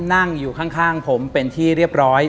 นั่งอยู่ข้างผมเป็นที่เรียบร้อย